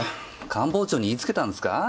官房長に言いつけたんですか？